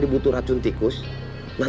ini udah lancar gak